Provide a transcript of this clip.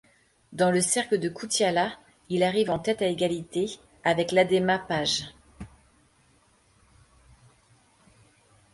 Dans le cercle de Koutiala, il arrive en tête à égalité avec l’Adéma-pasj.